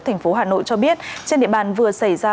thành phố hà nội cho biết trên địa bàn vừa xảy ra